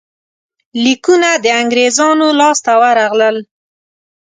لیکونه د انګرېزانو لاسته ورغلل.